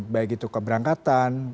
baik itu keberangkatan